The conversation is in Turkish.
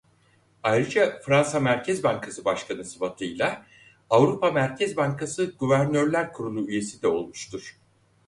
Ayrıca Fransa Merkez Bankası Başkanı sıfatıyla Avrupa Merkez Bankası Guvernörler Kurulu üyesi de olmuştur.